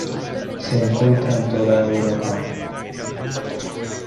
Se encuentra en toda Europa.